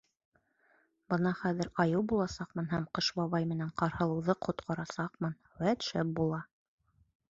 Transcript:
Бына хәҙер Айыу буласаҡмын һәм Ҡыш бабай менән Ҡарһылыуҙы ҡотҡарасаҡмын. Үәт, шәп була!